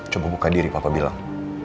coba buka diri papa bilang